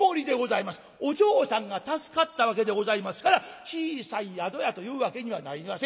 お嬢さんが助かったわけでございますから小さい宿屋というわけにはなりません。